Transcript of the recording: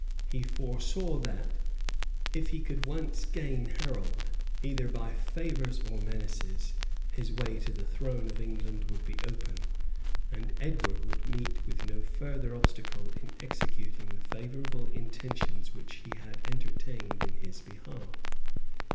He foresaw that, if he could once gain Harold, either by favors or menaces, his way to the throne of England would be open, and Edward would meet with no further obstacle in executing the favorable intentions which he had entertained in his behalf.